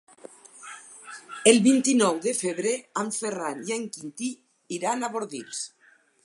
El vint-i-nou de febrer en Ferran i en Quintí iran a Bordils.